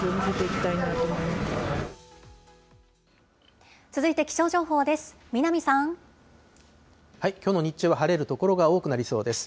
きょうの日中は晴れる所が多くなりそうです。